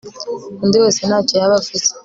undi wese ntacyo yaba avuze